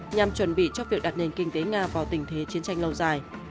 nhằm chuẩn bị cho việc đặt nền kinh tế nga vào tình thế chiến tranh lâu dài